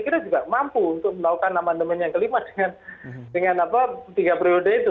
kita juga mampu untuk melakukan amandemen yang kelima dengan tiga periode itu